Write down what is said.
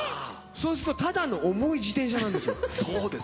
そうするとただの重い自転車なんですよ。